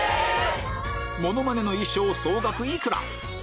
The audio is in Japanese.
⁉モノマネの衣装総額幾ら？